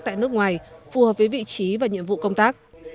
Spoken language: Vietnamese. tại nước ngoài phù hợp với vị trí và nhiệm vụ công tác